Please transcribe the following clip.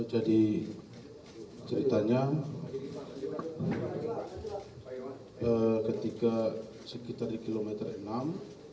jadi ceritanya ketika sekitar di kilometer enam